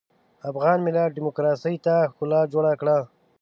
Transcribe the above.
افغان ملت ډيموکراسۍ ته ښکلا جوړه کړه.